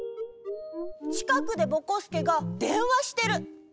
ちかくでぼこすけがでんわしてる。